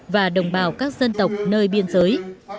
và đồng bào các dân tộc nơi biên giới